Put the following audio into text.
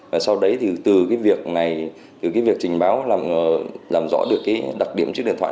và sau đấy từ việc trình báo làm rõ được đặc điểm chiếc điện thoại